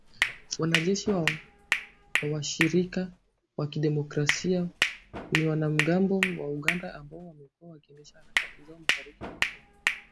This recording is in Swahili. Majeshi ya Washirika wa kidemokrasia ni wanamgambo wa Uganda ambao wamekuwa wakiendesha harakati zao mashariki mwa kongo